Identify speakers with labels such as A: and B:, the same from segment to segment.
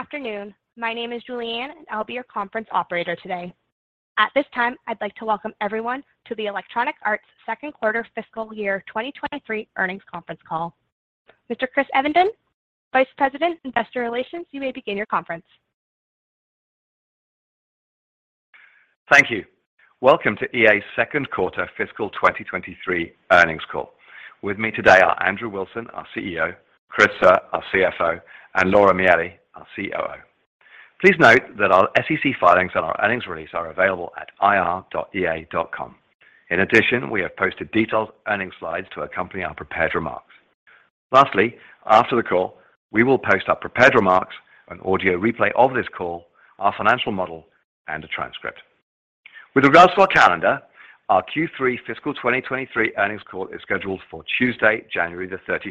A: Good afternoon. My name is Julianne, and I'll be your conference operator today. At this time, I'd like to welcome everyone to the Electronic Arts second quarter fiscal year 2023 earnings conference call. Mr. Chris Evenden, Vice President, Investor Relations, you may begin your conference.
B: Thank you. Welcome to EA's second quarter fiscal 2023 earnings call. With me today are Andrew Wilson, our CEO, Chris Suh, our CFO, and Laura Miele, our COO. Please note that our SEC filings and our earnings release are available at ir.ea.com. In addition, we have posted detailed earnings slides to accompany our prepared remarks. Lastly, after the call, we will post our prepared remarks, an audio replay of this call, our financial model, and a transcript. With regards to our calendar, our Q3 fiscal 2023 earnings call is scheduled for Tuesday, January 31st.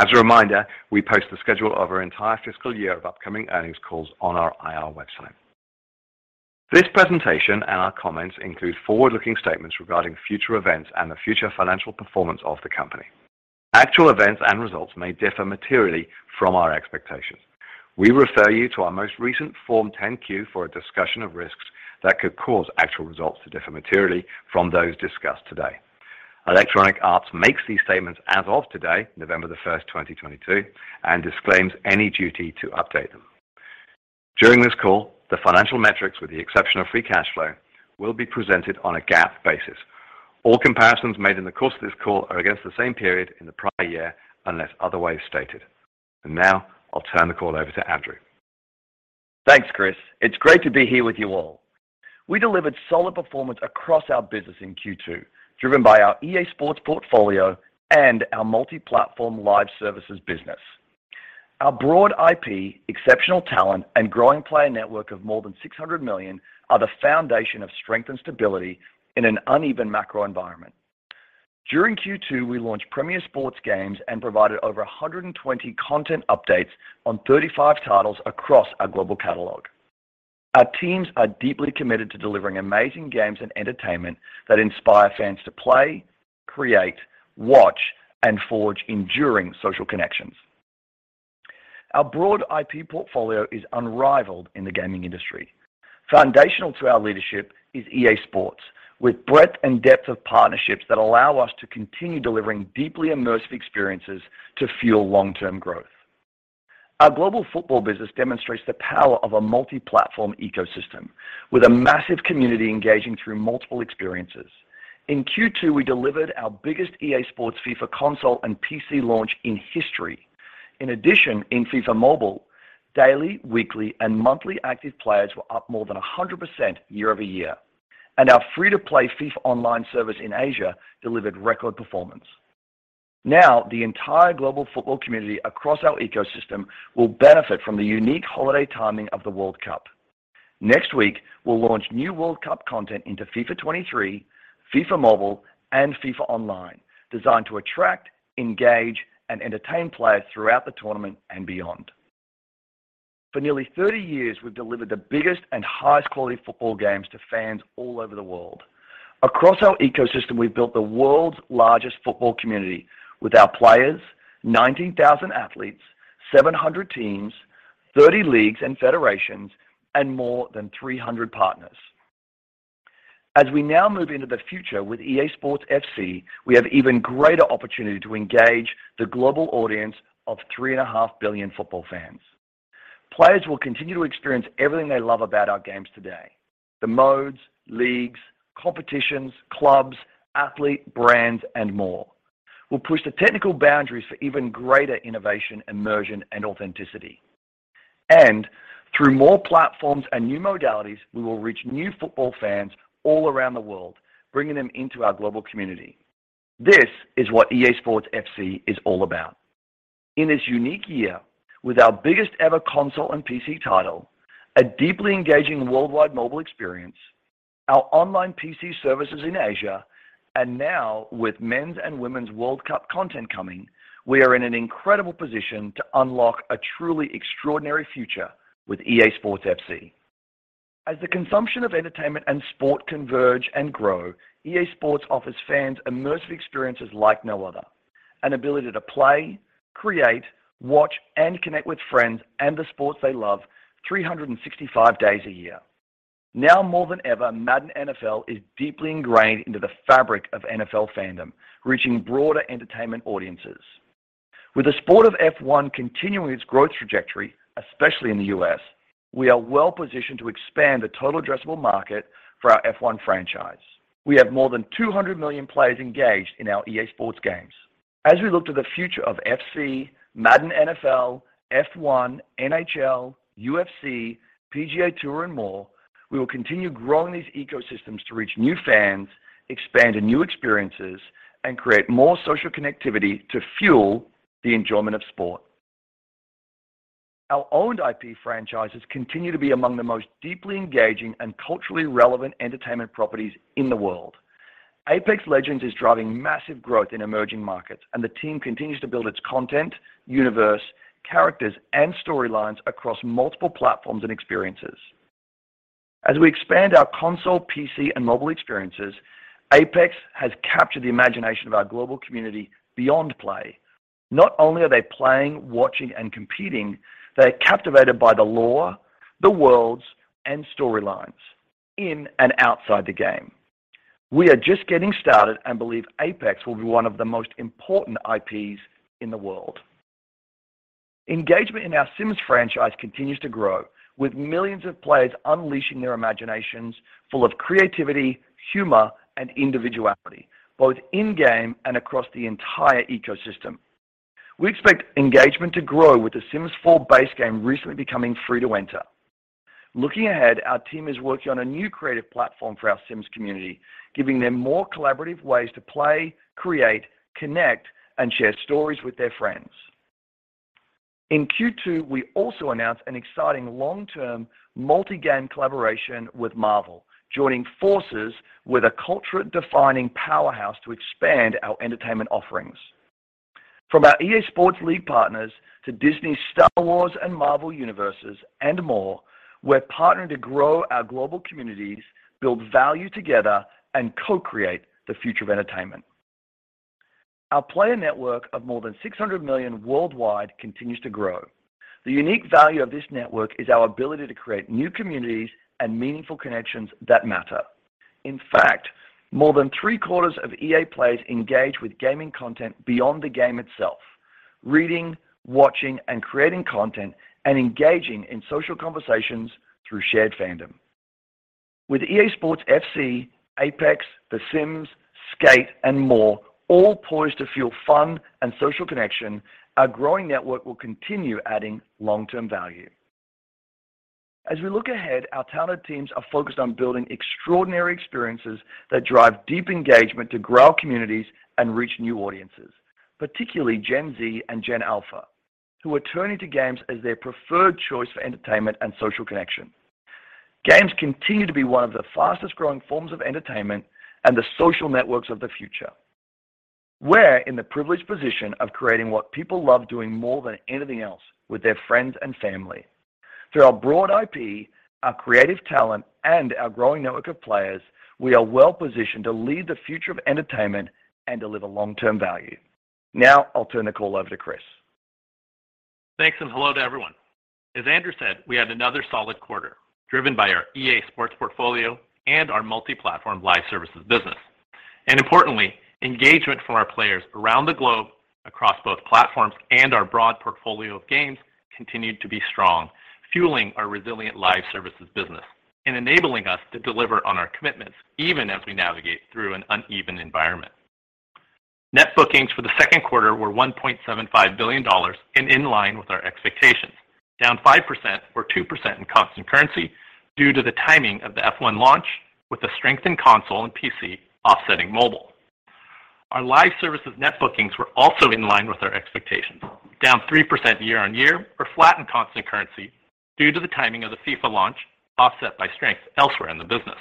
B: As a reminder, we post the schedule of our entire fiscal year of upcoming earnings calls on our IR website. This presentation and our comments include forward-looking statements regarding future events and the future financial performance of the company. Actual events and results may differ materially from our expectations. We refer you to our most recent Form 10-Q for a discussion of risks that could cause actual results to differ materially from those discussed today. Electronic Arts makes these statements as of today, November 1st, 2022, and disclaims any duty to update them. During this call, the financial metrics, with the exception of free cash flow, will be presented on a GAAP basis. All comparisons made in the course of this call are against the same period in the prior year, unless otherwise stated. Now I'll turn the call over to Andrew.
C: Thanks, Chris. It's great to be here with you all. We delivered solid performance across our business in Q2, driven by our EA Sports portfolio and our multi-platform live services business. Our broad IP, exceptional talent, and growing player network of more than 600 million are the foundation of strength and stability in an uneven macro environment. During Q2, we launched premier sports games and provided over 120 content updates on 35 titles across our global catalog. Our teams are deeply committed to delivering amazing games and entertainment that inspire fans to play, create, watch, and forge enduring social connections. Our broad IP portfolio is unrivaled in the gaming industry. Foundational to our leadership is EA Sports, with breadth and depth of partnerships that allow us to continue delivering deeply immersive experiences to fuel long-term growth. Our global football business demonstrates the power of a multi-platform ecosystem with a massive community engaging through multiple experiences. In Q2, we delivered our biggest EA Sports FIFA console and PC launch in history. In addition, in FIFA Mobile, daily, weekly, and monthly active players were up more than 100% year-over-year, and our free-to-play FIFA Online service in Asia delivered record performance. Now, the entire global football community across our ecosystem will benefit from the unique holiday timing of the World Cup. Next week, we'll launch new World Cup content into FIFA 23, FIFA Mobile, and FIFA Online designed to attract, engage, and entertain players throughout the tournament and beyond. For nearly 30 years, we've delivered the biggest and highest quality football games to fans all over the world. Across our ecosystem, we've built the world's largest football community with our players, 19,000 athletes, 700 teams, 30 leagues and federations, and more than 300 partners. As we now move into the future with EA Sports FC, we have even greater opportunity to engage the global audience of 3.5 billion football fans. Players will continue to experience everything they love about our games today, the modes, leagues, competitions, clubs, athletes, brands, and more. We'll push the technical boundaries for even greater innovation, immersion, and authenticity. Through more platforms and new modalities, we will reach new football fans all around the world, bringing them into our global community. This is what EA Sports FC is all about. In this unique year, with our biggest ever console and PC title, a deeply engaging worldwide mobile experience, our online PC services in Asia, and now with men's and women's World Cup content coming, we are in an incredible position to unlock a truly extraordinary future with EA Sports FC. As the consumption of entertainment and sport converge and grow, EA Sports offers fans immersive experiences like no other. An ability to play, create, watch, and connect with friends and the sports they love 365 days a year. Now more than ever, Madden NFL is deeply ingrained into the fabric of NFL fandom, reaching broader entertainment audiences. With the sport of F1 continuing its growth trajectory, especially in the U.S., we are well-positioned to expand the total addressable market for our F1 franchise. We have more than 200 million players engaged in our EA Sports games. As we look to the future of FC, Madden NFL, F1, NHL, UFC, PGA TOUR, and more, we will continue growing these ecosystems to reach new fans, expand to new experiences, and create more social connectivity to fuel the enjoyment of sport. Our owned IP franchises continue to be among the most deeply engaging and culturally relevant entertainment properties in the world. Apex Legends is driving massive growth in emerging markets, and the team continues to build its content, universe, characters, and storylines across multiple platforms and experiences. As we expand our console, PC, and mobile experiences, Apex has captured the imagination of our global community beyond play. Not only are they playing, watching, and competing, they are captivated by the lore, the worlds, and storylines in and outside the game. We are just getting started and believe Apex will be one of the most important IPs in the world. Engagement in our Sims franchise continues to grow, with millions of players unleashing their imaginations full of creativity, humor, and individuality, both in-game and across the entire ecosystem. We expect engagement to grow with The Sims 4 base game recently becoming free to enter. Looking ahead, our team is working on a new creative platform for our Sims community, giving them more collaborative ways to play, create, connect, and share stories with their friends. In Q2, we also announced an exciting long-term multi-game collaboration with Marvel, joining forces with a culture-defining powerhouse to expand our entertainment offerings. From our EA Sports lead partners to Disney's Star Wars and Marvel universes, and more, we're partnering to grow our global communities, build value together, and co-create the future of entertainment. Our player network of more than 600 million worldwide continues to grow. The unique value of this network is our ability to create new communities and meaningful connections that matter. In fact, more than three-quarters of EA players engage with gaming content beyond the game itself, reading, watching, and creating content, and engaging in social conversations through shared fandom. With EA Sports FC, Apex, The Sims, Skate, and more all poised to fuel fun and social connection, our growing network will continue adding long-term value. As we look ahead, our talented teams are focused on building extraordinary experiences that drive deep engagement to grow our communities and reach new audiences, particularly Gen Z and Gen Alpha, who are turning to games as their preferred choice for entertainment and social connection. Games continue to be one of the fastest-growing forms of entertainment and the social networks of the future. We're in the privileged position of creating what people love doing more than anything else with their friends and family. Through our broad IP, our creative talent, and our growing network of players, we are well-positioned to lead the future of entertainment and deliver long-term value. Now I'll turn the call over to Chris.
D: Thanks, and hello to everyone. As Andrew said, we had another solid quarter driven by our EA Sports portfolio and our multi-platform live services business. Importantly, engagement from our players around the globe across both platforms and our broad portfolio of games continued to be strong, fueling our resilient live services business and enabling us to deliver on our commitments even as we navigate through an uneven environment. Net bookings for the second quarter were $1.75 billion and in line with our expectations, down 5% or 2% in constant currency due to the timing of the F1 launch with the strength in console and PC offsetting mobile. Our live services net bookings were also in line with our expectations, down 3% year-over-year or flat in constant currency due to the timing of the FIFA launch, offset by strength elsewhere in the business.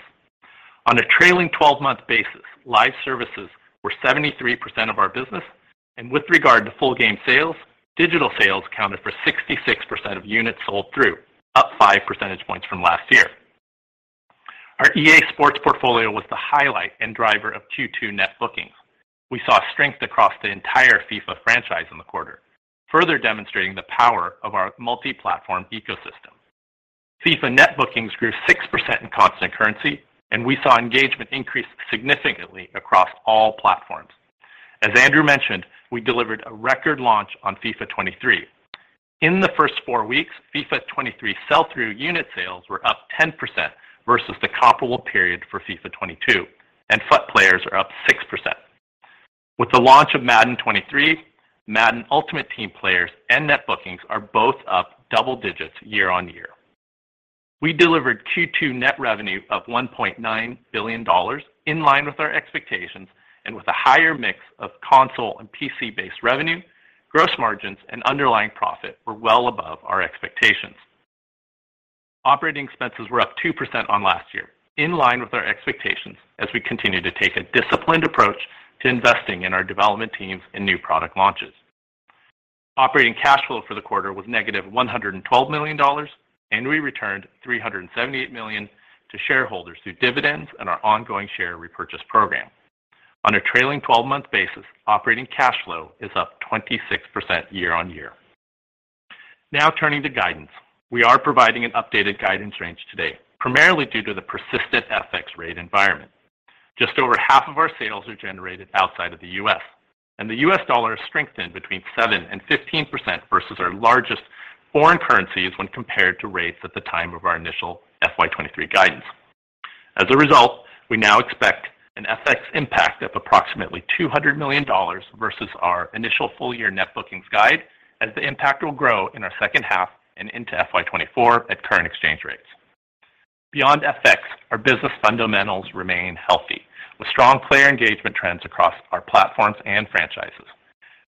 D: On a trailing twelve-month basis, live services were 73% of our business. With regard to full game sales, digital sales accounted for 66% of units sold through, up five percentage points from last year. Our EA Sports portfolio was the highlight and driver of Q2 net bookings. We saw strength across the entire FIFA franchise in the quarter, further demonstrating the power of our multi-platform ecosystem. FIFA net bookings grew 6% in constant currency, and we saw engagement increase significantly across all platforms. As Andrew mentioned, we delivered a record launch on FIFA 23. In the first 4 weeks, FIFA 23 sell-through unit sales were up 10% versus the comparable period for FIFA 22, and FUT players are up 6%. With the launch of Madden 23, Madden Ultimate Team players and net bookings are both up double digits year-on-year. We delivered Q2 net revenue of $1.9 billion, in line with our expectations. With a higher mix of console and PC-based revenue, gross margins, and underlying profit were well above our expectations. Operating expenses were up 2% on last year, in line with our expectations as we continue to take a disciplined approach to investing in our development teams and new product launches. Operating cash flow for the quarter was -$112 million, and we returned $378 million to shareholders through dividends and our ongoing share repurchase program. On a trailing twelve-month basis, operating cash flow is up 26% year-on-year. Now turning to guidance. We are providing an updated guidance range today, primarily due to the persistent FX rate environment. Just over half of our sales are generated outside of the U.S., and the U.S. dollar has strengthened between 7% and 15% versus our largest foreign currencies when compared to rates at the time of our initial FY 2023 guidance. As a result, we now expect an FX impact of approximately $200 million versus our initial full year net bookings guide as the impact will grow in our second half and into FY 2024 at current exchange rates. Beyond FX, our business fundamentals remain healthy with strong player engagement trends across our platforms and franchises.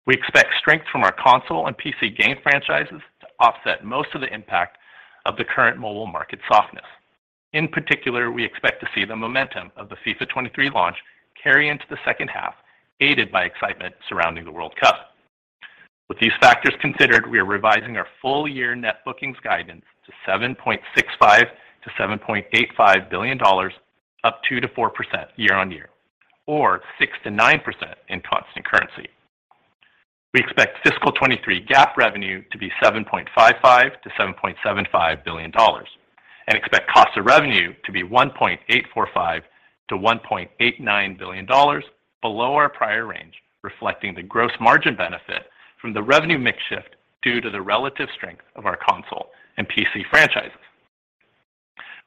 D: We expect strength from our console and PC game franchises to offset most of the impact of the current mobile market softness. In particular, we expect to see the momentum of the FIFA 23 launch carry into the second half, aided by excitement surrounding the World Cup. With these factors considered, we are revising our full year net bookings guidance to $7.65 billion to $7.85 billion, up 2% to 4% year-on-year, or 6% to 9% in constant currency. We expect fiscal 2023 GAAP revenue to be $7.55 billion to $7.75 billion and expect cost of revenue to be $1.845 billion to $1.89 billion below our prior range, reflecting the gross margin benefit from the revenue mix shift due to the relative strength of our console and PC franchises.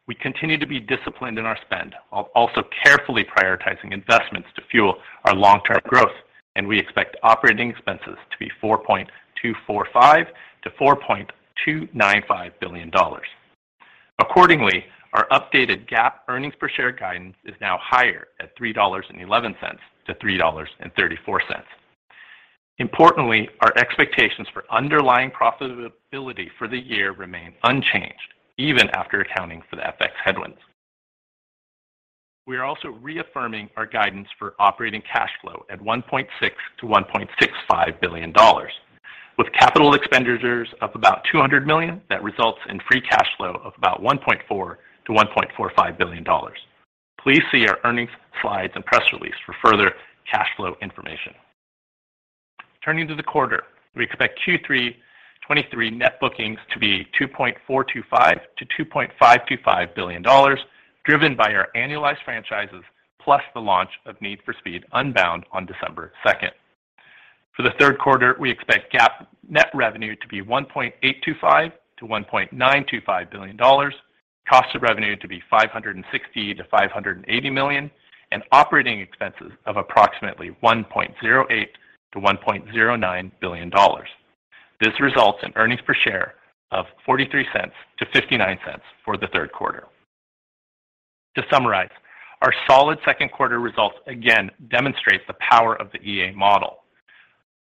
D: We continue to be disciplined in our spend, while also carefully prioritizing investments to fuel our long-term growth. We expect operating expenses to be $4.245 billion to $4.295 billion. Accordingly, our updated GAAP earnings per share guidance is now higher at $3.11 to $3.34. Importantly, our expectations for underlying profitability for the year remain unchanged even after accounting for the FX headwinds. We are also reaffirming our guidance for operating cash flow at $1.6 billion to $1.65 billion. With capital expenditures of about $200 million, that results in free cash flow of about $1.4 billion to $1.45 billion. Please see our earnings slides and press release for further cash flow information. Turning to the quarter, we expect Q3 2023 net bookings to be $2.425 to $2.525 billion, driven by our annualized franchises plus the launch of Need for Speed Unbound on December 2. For the third quarter, we expect GAAP net revenue to be $1.825 to $1.925 billion, cost of revenue to be $560 to $580 million, and operating expenses of approximately $1.08 to $1.09 billion. This results in earnings per share of $0.43 to $0.59 for the third quarter. To summarize, our solid second quarter results again demonstrates the power of the EA model.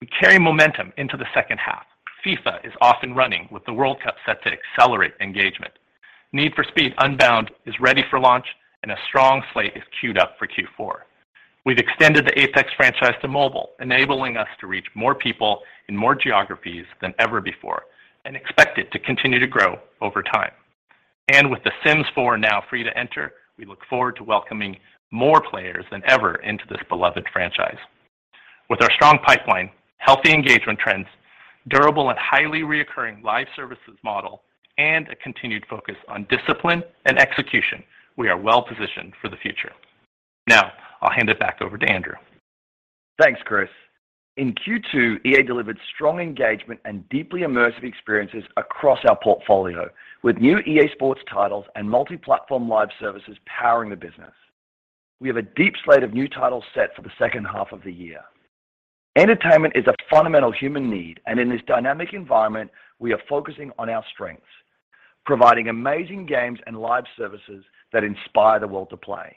D: We carry momentum into the second half. FIFA is off and running with the World Cup set to accelerate engagement. Need for Speed Unbound is ready for launch and a strong slate is queued up for Q4. We've extended the Apex franchise to mobile, enabling us to reach more people in more geographies than ever before and expect it to continue to grow over time. With The Sims 4 now free to play, we look forward to welcoming more players than ever into this beloved franchise. With our strong pipeline, healthy engagement trends, durable and highly recurring live services model, and a continued focus on discipline and execution, we are well positioned for the future. Now I'll hand it back over to Andrew.
C: Thanks, Chris. In Q2, EA delivered strong engagement and deeply immersive experiences across our portfolio with new EA Sports titles and multi-platform live services powering the business. We have a deep slate of new titles set for the second half of the year. Entertainment is a fundamental human need, and in this dynamic environment we are focusing on our strengths, providing amazing games and live services that inspire the world to play.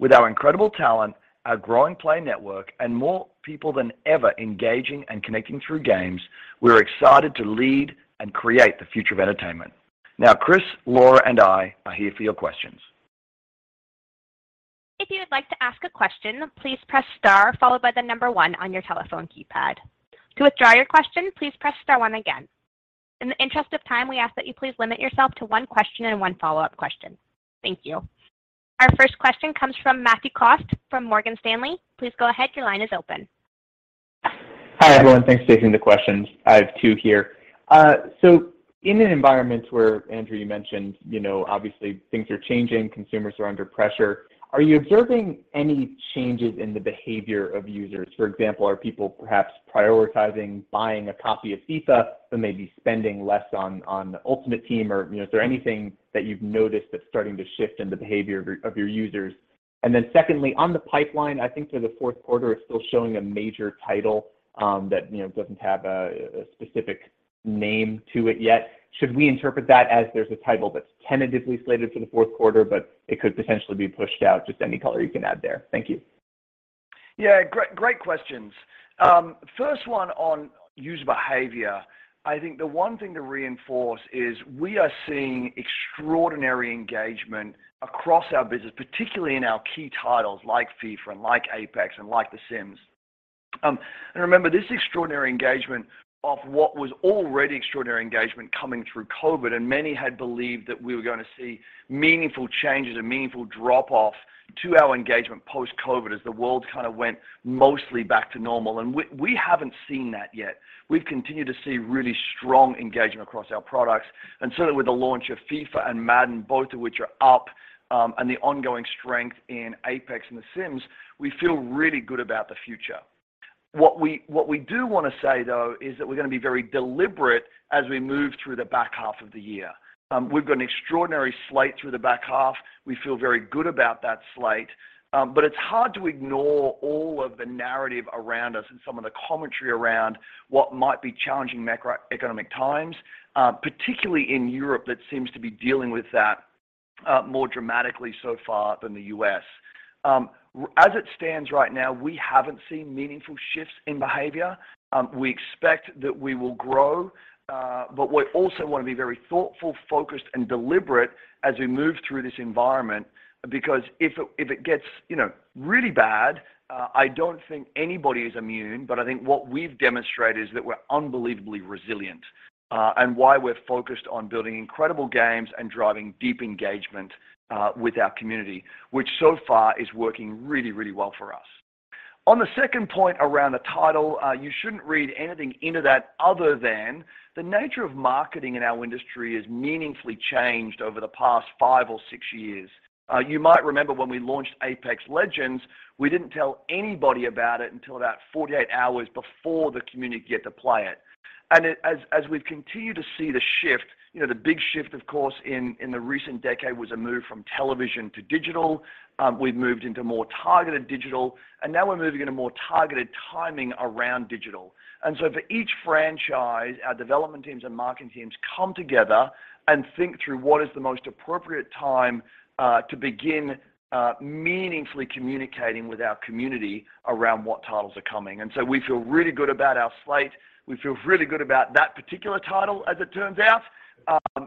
C: With our incredible talent, our growing play network and more people than ever engaging and connecting through games, we're excited to lead and create the future of entertainment. Now, Chris, Laura and I are here for your questions.
A: If you would like to ask a question, please press star followed by the number one on your telephone keypad. To withdraw your question, please press star one again. In the interest of time, we ask that you please limit yourself to one question and one follow-up question. Thank you. Our first question comes from Matthew Cost from Morgan Stanley. Please go ahead. Your line is open.
E: Hi, everyone. Thanks for taking the questions. I have two here. In an environment where, Andrew, you mentioned, you know, obviously things are changing, consumers are under pressure, are you observing any changes in the behavior of users? For example, are people perhaps prioritizing buying a copy of FIFA but may be spending less on Ultimate Team? Or, you know, is there anything that you've noticed that's starting to shift in the behavior of your users? Secondly, on the pipeline, I think for the fourth quarter is still showing a major title that doesn't have a specific name to it yet. Should we interpret that as there's a title that's tentatively slated for the fourth quarter, but it could potentially be pushed out? Just any color you can add there. Thank you.
C: Yeah. Great questions. First one on user behavior. I think the one thing to reinforce is we are seeing extraordinary engagement across our business, particularly in our key titles like FIFA and like Apex and like The Sims. Remember this extraordinary engagement off what was already extraordinary engagement coming through COVID and many had believed that we were going to see meaningful changes and meaningful drop off to our engagement post-COVID as the world kind of went mostly back to normal. We haven't seen that yet. We've continued to see really strong engagement across our products. With the launch of FIFA and Madden, both of which are up, and the ongoing strength in Apex and The Sims, we feel really good about the future. What we do want to say though, is that we're going to be very deliberate as we move through the back half of the year. We've got an extraordinary slate through the back half. We feel very good about that slate. But it's hard to ignore all of the narrative around us and some of the commentary around what might be challenging macroeconomic times, particularly in Europe that seems to be dealing with that, more dramatically so far than the U.S.. As it stands right now, we haven't seen meaningful shifts in behavior. We expect that we will grow, but we also want to be very thoughtful, focused and deliberate as we move through this environment. Because if it gets, you know, really bad. I don't think anybody is immune, but I think what we've demonstrated is that we're unbelievably resilient, and why we're focused on building incredible games and driving deep engagement with our community, which so far is working really, really well for us. On the second point around a title, you shouldn't read anything into that other than the nature of marketing in our industry has meaningfully changed over the past 5 or 6 years. You might remember when we launched Apex Legends, we didn't tell anybody about it until about 48 hours before the community could get to play it. As we've continued to see the shift, you know, the big shift, of course, in the recent decade was a move from television to digital. We've moved into more targeted digital, and now we're moving into more targeted timing around digital. For each franchise, our development teams and marketing teams come together and think through what is the most appropriate time to begin meaningfully communicating with our community around what titles are coming. We feel really good about our slate. We feel really good about that particular title as it turns out,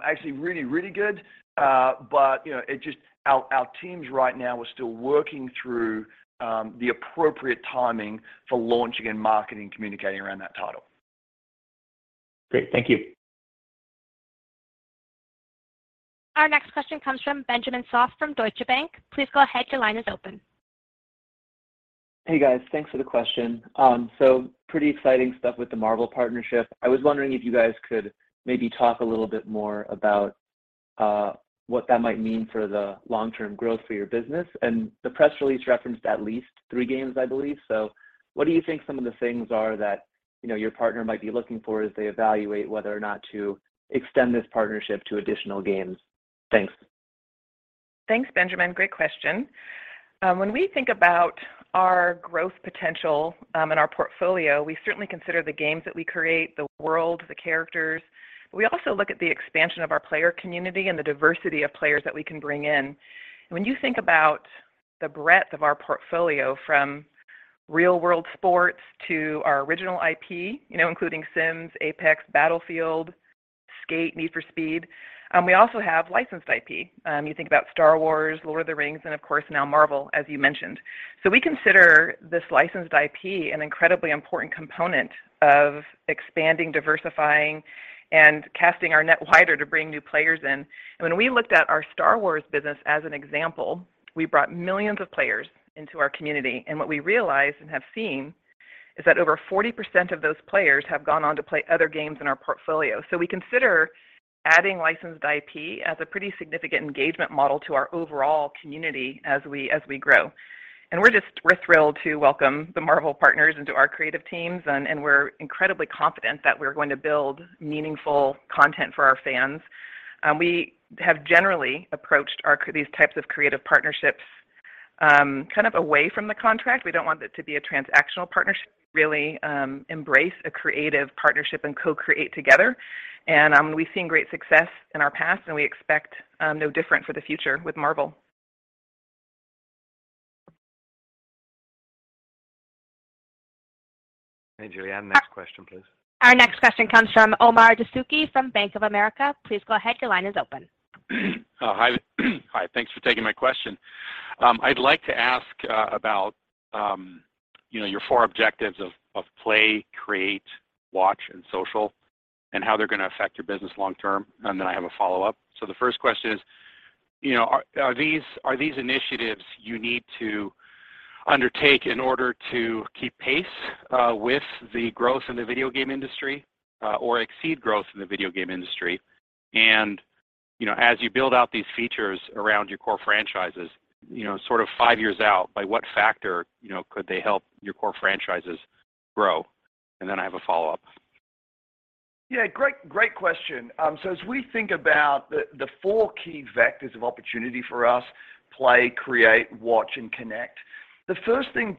C: actually really, really good. You know, it just our teams right now are still working through the appropriate timing for launching and marketing, communicating around that title.
E: Great. Thank you.
A: Our next question comes from Benjamin Soff from Deutsche Bank. Please go ahead. Your line is open.
F: Hey, guys. Thanks for the question. Pretty exciting stuff with the Marvel partnership. I was wondering if you guys could maybe talk a little bit more about what that might mean for the long-term growth for your business. The press release referenced at least three games, I believe. What do you think some of the things are that, you know, your partner might be looking for as they evaluate whether or not to extend this partnership to additional games? Thanks.
G: Thanks, Benjamin. Great question. When we think about our growth potential, and our portfolio, we certainly consider the games that we create, the world, the characters. We also look at the expansion of our player community and the diversity of players that we can bring in. When you think about the breadth of our portfolio from real world sports to our original IP, you know, including Sims, Apex, Battlefield, Skate, Need for Speed, we also have licensed IP. You think about Star Wars, Lord of the Rings, and of course now Marvel, as you mentioned. We consider this licensed IP an incredibly important component of expanding, diversifying, and casting our net wider to bring new players in. When we looked at our Star Wars business as an example, we brought millions of players into our community. What we realized and have seen is that over 40% of those players have gone on to play other games in our portfolio. We consider adding licensed IP as a pretty significant engagement model to our overall community as we grow. We're thrilled to welcome the Marvel partners into our creative teams, and we're incredibly confident that we're going to build meaningful content for our fans. We have generally approached these types of creative partnerships kind of away from the contract. We don't want it to be a transactional partnership. Really, embrace a creative partnership and co-create together. We've seen great success in our past, and we expect no different for the future with Marvel.
B: Hey, Julianne. Next question, please.
A: Our next question comes from Omar Dessouky from Bank of America. Please go ahead. Your line is open.
H: Hi. Hi. Thanks for taking my question. I'd like to ask about you know, your four objectives of play, create, watch, and social, and how they're gonna affect your business long term. I have a follow-up. The first question is, you know, are these initiatives you need to undertake in order to keep pace with the growth in the video game industry or exceed growth in the video game industry? You know, as you build out these features around your core franchises, you know, sort of five years out, by what factor, you know, could they help your core franchises grow? I have a follow-up.
C: Yeah, great question. As we think about the four key vectors of opportunity for us: play, create, watch, and connect, the first thing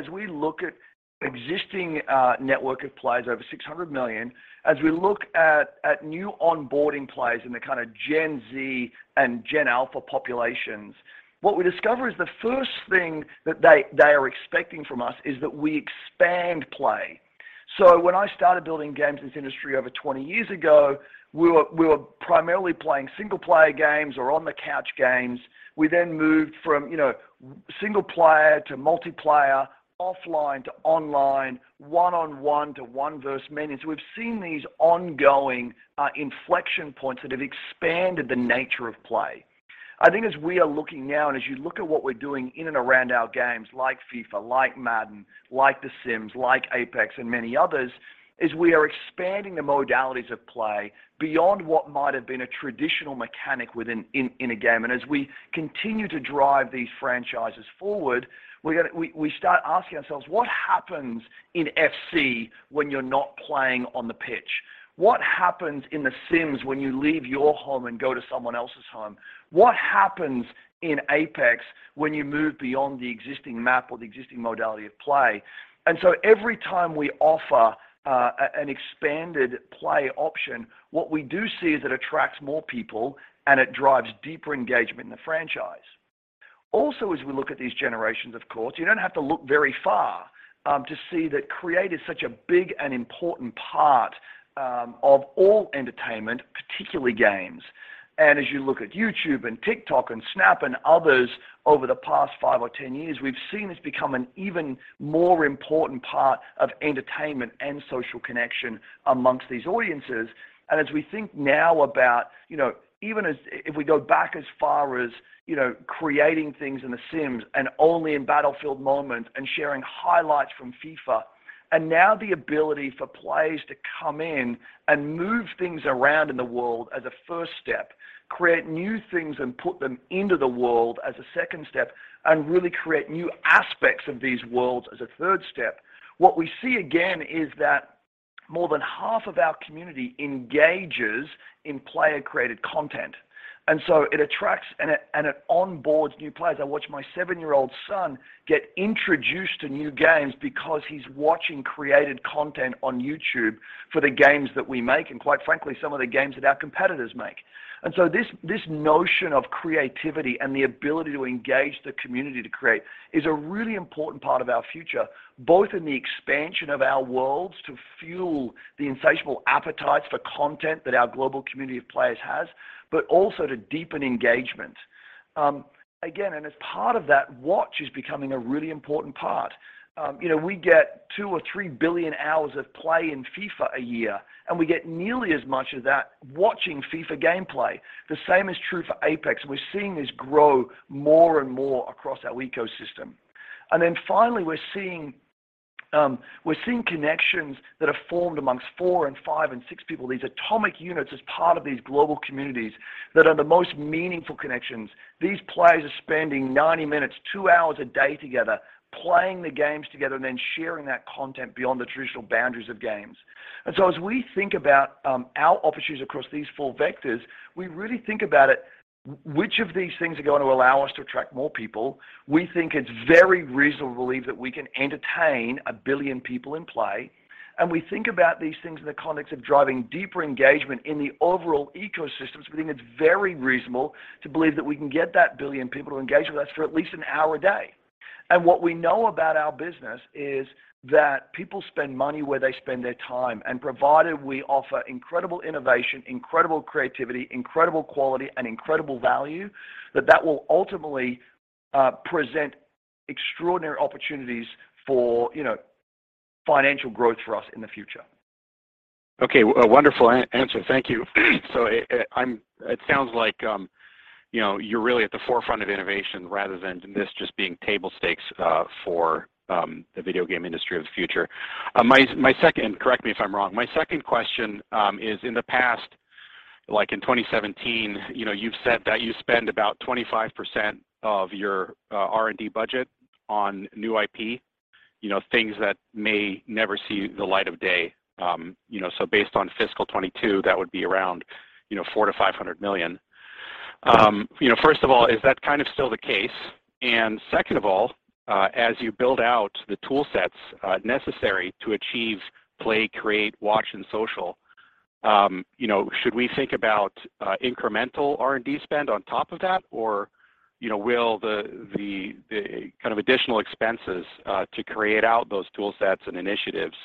C: as we look at existing network of players over 600 million, as we look at new onboarding players in the kinda Gen Z and Gen Alpha populations, what we discover is the first thing that they are expecting from us is that we expand play. When I started building games in this industry over 20 years ago, we were primarily playing single-player games or on the couch games. We then moved from single player to multiplayer, offline to online, one-on-one to one versus many. We've seen these ongoing inflection points that have expanded the nature of play. I think as we are looking now, and as you look at what we're doing in and around our games like FIFA, like Madden, like The Sims, like Apex, and many others, is we are expanding the modalities of play beyond what might have been a traditional mechanic in a game. As we continue to drive these franchises forward, we start asking ourselves what happens in FC when you're not playing on the pitch? What happens in The Sims when you leave your home and go to someone else's home? What happens in Apex when you move beyond the existing map or the existing modality of play? Every time we offer an expanded play option, what we do see is it attracts more people and it drives deeper engagement in the franchise. Also, as we look at these generations of course, you don't have to look very far to see that creativity is such a big and important part of all entertainment, particularly games. As you look at YouTube and TikTok and Snap and others over the past 5 or 10 years, we've seen this become an even more important part of entertainment and social connection amongst these audiences. As we think now about, you know, even as we go back as far as, you know, creating things in The Sims and only in Battlefield moments and sharing highlights from FIFA. Now the ability for players to come in and move things around in the world as a first step, create new things and put them into the world as a second step, and really create new aspects of these worlds as a third step. What we see again is that more than half of our community engages in player-created content. It attracts and it onboards new players. I watch my seven-year-old son get introduced to new games because he's watching created content on YouTube for the games that we make, and quite frankly, some of the games that our competitors make. This notion of creativity and the ability to engage the community to create is a really important part of our future, both in the expansion of our worlds to fuel the insatiable appetite for content that our global community of players has, but also to deepen engagement. Again, as part of that, watch is becoming a really important part. You know, we get 2 or 3 billion hours of play in FIFA a year, and we get nearly as much of that watching FIFA gameplay. The same is true for Apex. We're seeing this grow more and more across our ecosystem. Then finally, we're seeing connections that are formed amongst 4 and 5 and 6 people, these atomic units as part of these global communities that are the most meaningful connections. These players are spending 90 minutes, 2 hours a day together, playing the games together, and then sharing that content beyond the traditional boundaries of games. As we think about our opportunities across these four vectors, we really think about it, which of these things are going to allow us to attract more people. We think it's very reasonable to believe that we can entertain 1 billion people in play. We think about these things in the context of driving deeper engagement in the overall ecosystems. We think it's very reasonable to believe that we can get that billion people to engage with us for at least an hour a day. What we know about our business is that people spend money where they spend their time. Provided we offer incredible innovation, incredible creativity, incredible quality, and incredible value, that will ultimately present extraordinary opportunities for, you know, financial growth for us in the future.
H: Okay. A wonderful answer. Thank you. It sounds like, you know, you're really at the forefront of innovation rather than this just being table stakes for the video game industry of the future. My second—correct me if I'm wrong. My second question is in the past, like in 2017, you know, you've said that you spend about 25% of your R&D budget on new IP, you know, things that may never see the light of day. Based on fiscal 2022, that would be around, you know, $400 million-$500 million. First of all, is that kind of still the case? Second of all, as you build out the tool sets necessary to achieve play, create, watch, and social, you know, should we think about incremental R&D spend on top of that? Or, you know, will the kind of additional expenses to create out those tool sets and initiatives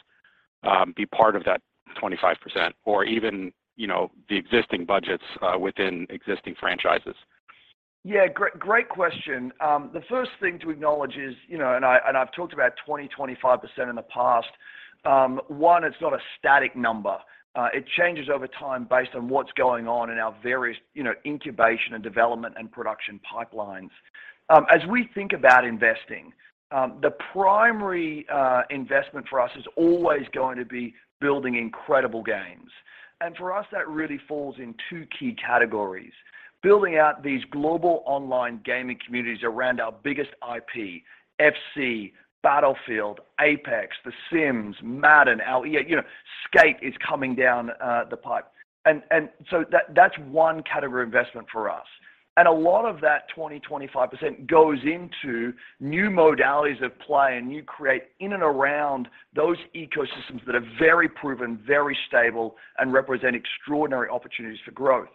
H: be part of that 25% or even, you know, the existing budgets within existing franchises?
C: Yeah. Great question. The first thing to acknowledge is, I've talked about 25% in the past. It's not a static number. It changes over time based on what's going on in our various incubation and development and production pipelines. As we think about investing, the primary investment for us is always going to be building incredible games. For us, that really falls in two key categories, building out these global online gaming communities around our biggest IP, FC, Battlefield, Apex, The Sims, Madden, EA, you know, Skate is coming down the pipe. That's one category of investment for us. A lot of that 25% goes into new modalities of play and new creations in and around those ecosystems that are very proven, very stable, and represent extraordinary opportunities for growth.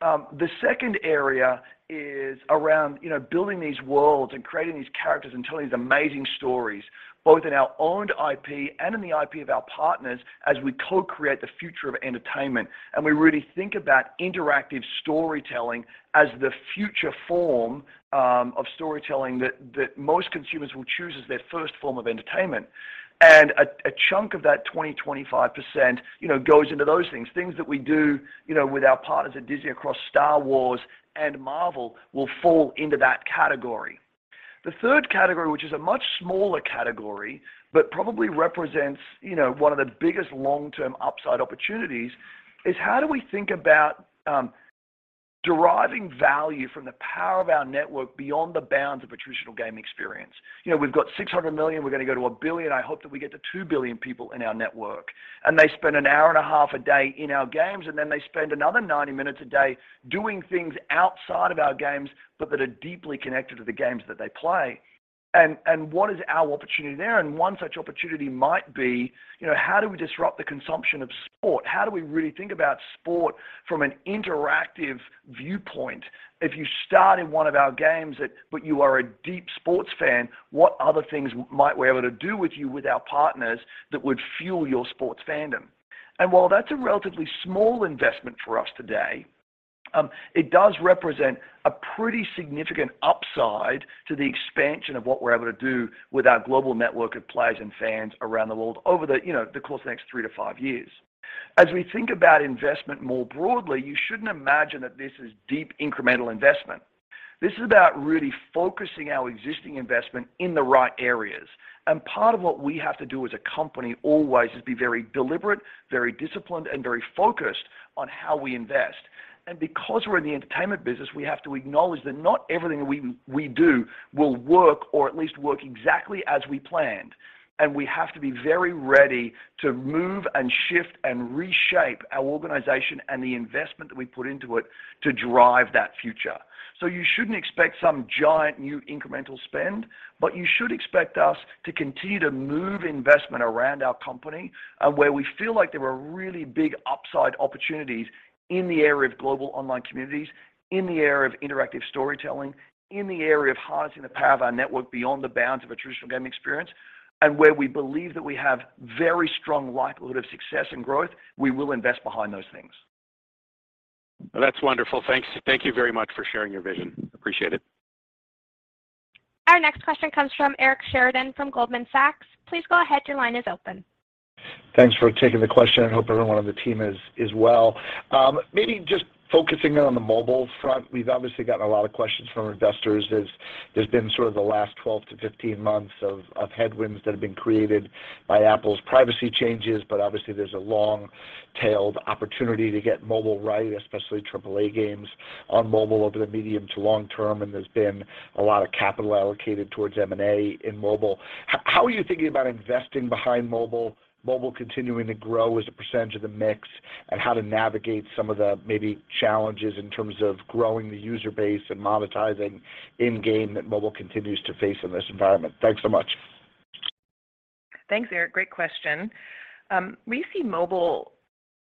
C: The second area is around, you know, building these worlds and creating these characters and telling these amazing stories, both in our own IP and in the IP of our partners as we co-create the future of entertainment. We really think about interactive storytelling as the future form of storytelling that most consumers will choose as their first form of entertainment. A chunk of that 25%, you know, goes into those things that we do with our partners at Disney across Star Wars and Marvel will fall into that category. The third category, which is a much smaller category, but probably represents, you know, one of the biggest long-term upside opportunities, is how do we think about deriving value from the power of our network beyond the bounds of a traditional game experience? You know, we've got 600 million, we're going to go to 1 billion. I hope that we get to 2 billion people in our network, and they spend 1.5 hours a day in our games, and then they spend another 90 minutes a day doing things outside of our games, but that are deeply connected to the games that they play. What is our opportunity there? One such opportunity might be, you know, how do we disrupt the consumption of sport? How do we really think about sport from an interactive viewpoint? If you start in one of our games and you are a deep sports fan, what other things might we be able to do with you with our partners that would fuel your sports fandom? While that's a relatively small investment for us today, it does represent a pretty significant upside to the expansion of what we're able to do with our global network of players and fans around the world over the, you know, the course of the next three to five years. As we think about investment more broadly, you shouldn't imagine that this is deep incremental investment. This is about really focusing our existing investment in the right areas. Part of what we have to do as a company always is be very deliberate, very disciplined, and very focused on how we invest. Because we're in the entertainment business, we have to acknowledge that not everything we do will work or at least work exactly as we planned, and we have to be very ready to move and shift and reshape our organization and the investment that we put into it to drive that future. You shouldn't expect some giant new incremental spend, but you should expect us to continue to move investment around our company, where we feel like there are really big upside opportunities in the area of global online communities, in the area of interactive storytelling, in the area of harnessing the power of our network beyond the bounds of a traditional gaming experience. Where we believe that we have very strong likelihood of success and growth, we will invest behind those things. That's wonderful. Thanks. Thank you very much for sharing your vision. Appreciate it.
A: Our next question comes from Eric Sheridan from Goldman Sachs. Please go ahead. Your line is open.
I: Thanks for taking the question, and hope everyone on the team is well. Maybe just focusing on the mobile front, we've obviously gotten a lot of questions from investors. There's been sort of the last 12-15 months of headwinds that have been created by Apple's privacy changes. Obviously there's a long-tailed opportunity to get mobile right, especially AAA games on mobile over the medium to long term, and there's been a lot of capital allocated towards M&A in mobile. How are you thinking about investing behind mobile continuing to grow as a percentage of the mix and how to navigate some of the maybe challenges in terms of growing the user base and monetizing in-game that mobile continues to face in this environment? Thanks so much.
G: Thanks, Eric. Great question. We see mobile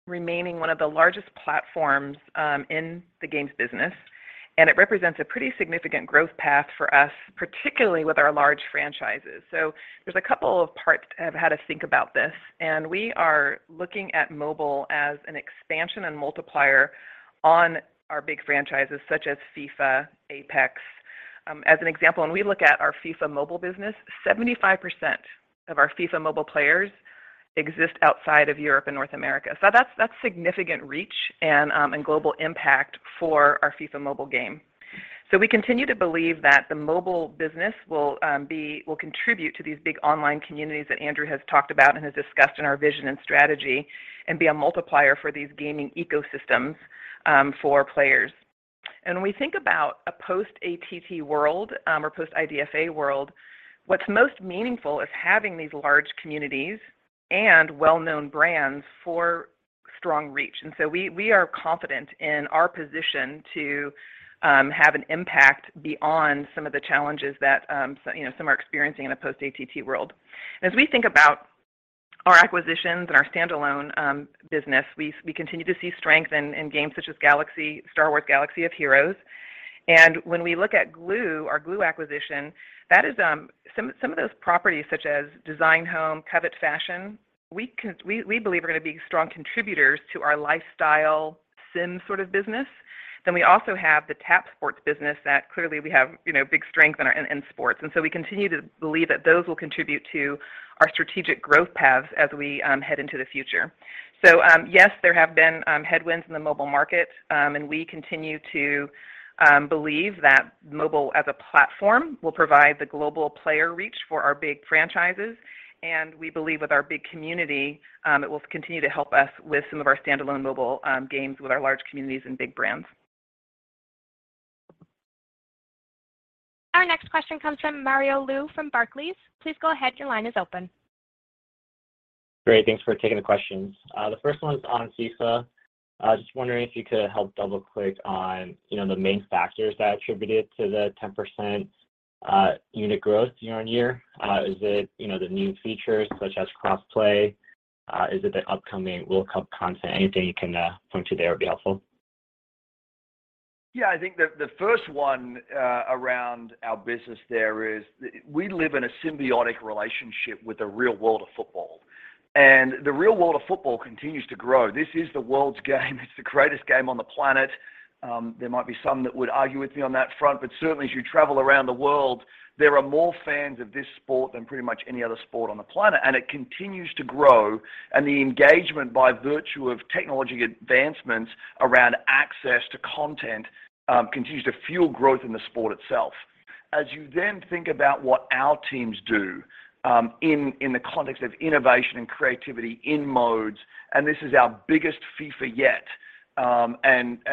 G: remaining one of the largest platforms in the games business, and it represents a pretty significant growth path for us, particularly with our large franchises. There's a couple of parts of how to think about this. We are looking at mobile as an expansion and multiplier on our big franchises such as FIFA, Apex. As an example, when we look at our FIFA Mobile business, 75% of our FIFA Mobile players exist outside of Europe and North America. That's significant reach and global impact for our FIFA Mobile game. We continue to believe that the mobile business will contribute to these big online communities that Andrew has talked about and has discussed in our vision and strategy and be a multiplier for these gaming ecosystems for players. When we think about a post-ATT world, or post-IDFA world, what's most meaningful is having these large communities and well-known brands for strong reach. We are confident in our position to have an impact beyond some of the challenges that some, you know, some are experiencing in a post-ATT world. As we think about our acquisitions and our standalone business, we continue to see strength in games such as Star Wars: Galaxy of Heroes. When we look at Glu, our Glu acquisition, that is some of those properties such as Design Home, Covet Fashion, we believe are going to be strong contributors to our lifestyle sim sort of business. We also have the Tap Sports business that clearly we have big strength in sports. We continue to believe that those will contribute to our strategic growth paths as we head into the future. Yes, there have been headwinds in the mobile market, and we continue to believe that mobile as a platform will provide the global player reach for our big franchises. We believe with our big community, it will continue to help us with some of our standalone mobile games with our large communities and big brands.
A: Our next question comes from Mario Lu from Barclays. Please go ahead. Your line is open.
J: Great. Thanks for taking the questions. The first one's on FIFA. Just wondering if you could help double-click on, you know, the main factors that contributed to the 10% unit growth year-on-year. Is it, you know, the new features such as cross-play? Is it the upcoming World Cup content? Anything you can point to there would be helpful.
C: Yeah. I think the first one around our business there is we live in a symbiotic relationship with the real world of football, and the real world of football continues to grow. This is the world's game. It's the greatest game on the planet. There might be some that would argue with me on that front, but certainly as you travel around the world, there are more fans of this sport than pretty much any other sport on the planet, and it continues to grow. The engagement by virtue of technology advancements around access to content continues to fuel growth in the sport itself. As you then think about what our teams do, in the context of innovation and creativity in modes, and this is our biggest FIFA yet.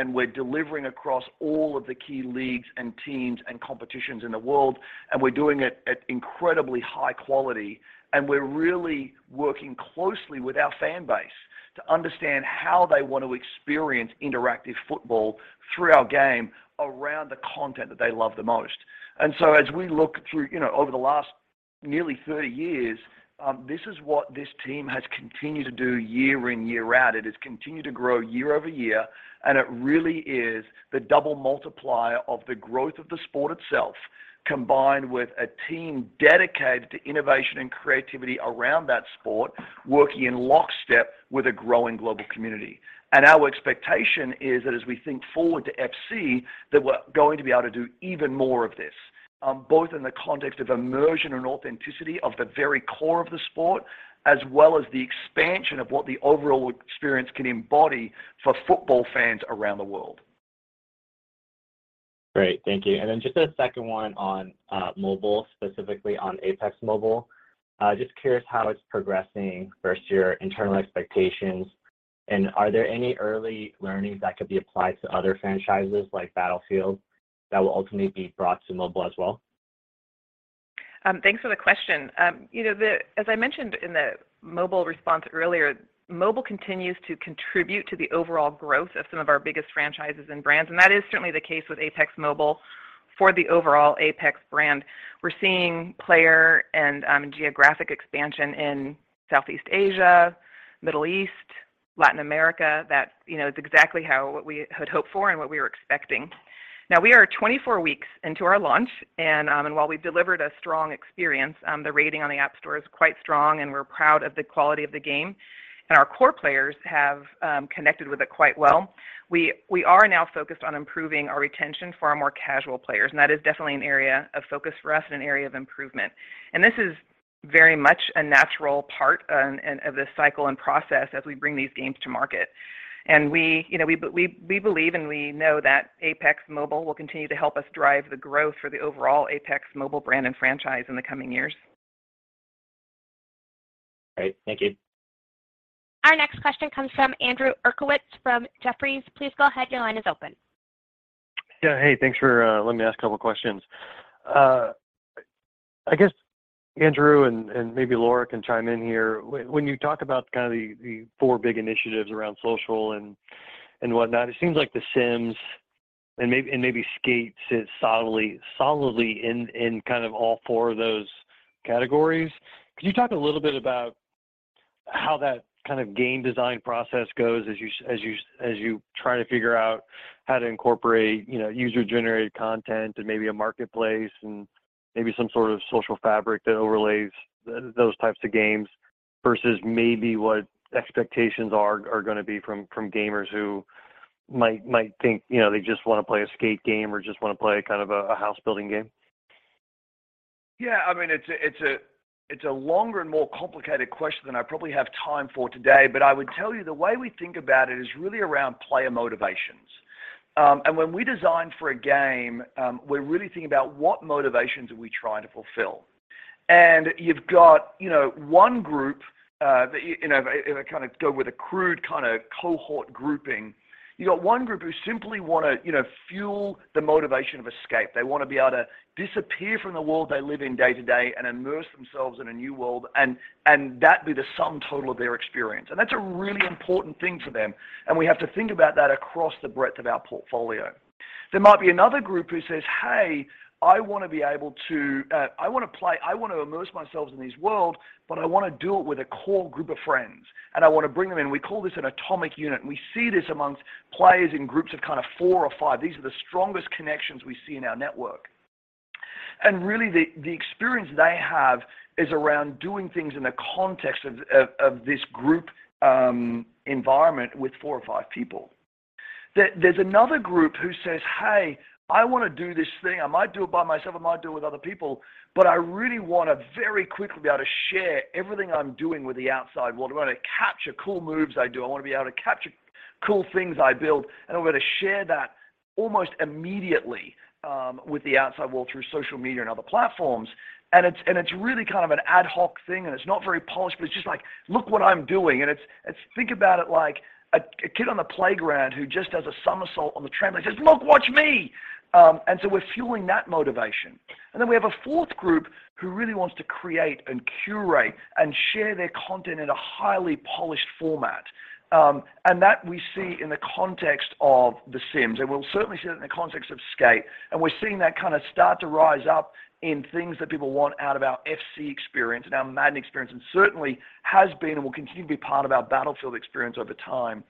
C: We're delivering across all of the key leagues and teams and competitions in the world, and we're doing it at incredibly high quality. We're really working closely with our fan base to understand how they want to experience interactive football through our game around the content that they love the most. As we look through, you know, over the last nearly 30 years, this is what this team has continued to do year in, year out. It has continued to grow year-over-year, and it really is the double multiplier of the growth of the sport itself, combined with a team dedicated to innovation and creativity around that sport, working in lockstep with a growing global community. Our expectation is that as we think forward to FC, that we're going to be able to do even more of this. Both in the context of immersion and authenticity of the very core of the sport, as well as the expansion of what the overall experience can embody for football fans around the world.
J: Great. Thank you. Just a second one on mobile, specifically on Apex Mobile. Just curious how it's progressing versus your internal expectations, and are there any early learnings that could be applied to other franchises like Battlefield that will ultimately be brought to mobile as well?
G: Thanks for the question. You know, as I mentioned in the mobile response earlier, mobile continues to contribute to the overall growth of some of our biggest franchises and brands, and that is certainly the case with Apex Mobile for the overall Apex brand. We're seeing player and geographic expansion in Southeast Asia, Middle East, Latin America, that you know is exactly how and what we had hoped for and what we were expecting. Now, we are 24 weeks into our launch, and while we've delivered a strong experience, the rating on the App Store is quite strong, and we're proud of the quality of the game, and our core players have connected with it quite well. We are now focused on improving our retention for our more casual players, and that is definitely an area of focus for us and an area of improvement. This is very much a natural part of this cycle and process as we bring these games to market. We, you know, believe and we know that Apex Mobile will continue to help us drive the growth for the overall Apex Mobile brand and franchise in the coming years.
J: Great. Thank you.
A: Our next question comes from Andrew Uerkwitz from Jefferies. Please go ahead. Your line is open.
K: Yeah. Hey, thanks for letting me ask a couple questions. I guess Andrew and maybe Laura can chime in here. When you talk about kind of the four big initiatives around social and whatnot, it seems like The Sims and maybe Skate sits solidly in kind of all four of those categories. Could you talk a little bit about how that kind of game design process goes as you try to figure out how to incorporate, you know, user-generated content and maybe a marketplace and maybe some sort of social fabric that overlays those types of games versus maybe what expectations are gonna be from gamers who might think, you know, they just wanna play a Skate game or just wanna play kind of a house-building game?
C: Yeah, I mean, it's a longer and more complicated question than I probably have time for today. I would tell you the way we think about it is really around player motivations. When we design for a game, we're really thinking about what motivations are we trying to fulfill. You've got, you know, one group that you know, in a kind of crude kind of cohort grouping. You got one group who simply wanna, you know, fuel the motivation of escape. They wanna be able to disappear from the world they live in day to day and immerse themselves in a new world, and that be the sum total of their experience. That's a really important thing for them, and we have to think about that across the breadth of our portfolio. There might be another group who says, "Hey, I wanna be able to play, I want to immerse myself in this world, but I wanna do it with a core group of friends, and I want to bring them in." We call this an atomic unit, and we see this amongst players in groups of kind of four or five. These are the strongest connections we see in our network. Really the experience they have is around doing things in the context of this group environment with four or five people. There's another group who says, "Hey, I wanna do this thing. I might do it by myself, I might do it with other people, but I really wanna very quickly be able to share everything I'm doing with the outside world. I wanna capture cool moves I do. I wanna be able to capture cool things I build, and I'm gonna share that almost immediately, with the outside world through social media and other platforms. It's really kind of an ad hoc thing, and it's not very polished, but it's just like, "Look what I'm doing." It's think about it like a kid on the playground who just does a somersault on the trampoline, says, "Look, watch me." We're fueling that motivation. Then we have a fourth group who really wants to create and curate and share their content in a highly polished format. That we see in the context of The Sims, and we'll certainly see that in the context of Skate. We're seeing that kind of start to rise up in things that people want out of our FC experience and our Madden experience, and certainly has been and will continue to be part of our Battlefield experience over time.